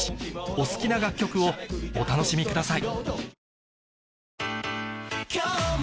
お好きな楽曲をお楽しみください